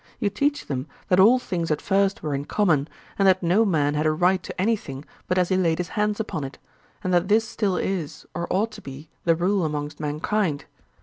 You teach them that all things at first were in common, and that no man had a right to any thing but as he laid his hands upon it; and that this still is, or ought to be, the rule amongst mankind.